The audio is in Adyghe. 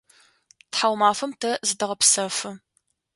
Тхьаумафэм тэ зытэгъэпсэфы.